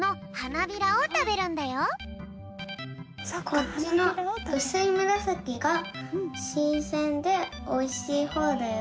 こっちのうすいむらさきがしんせんでおいしいほうだよ。